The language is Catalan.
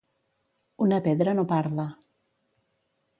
Una pedra no parla.